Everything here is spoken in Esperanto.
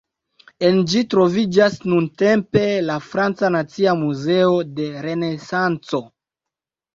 En ĝi troviĝas nuntempe la "Franca Nacia Muzeo de Renesanco".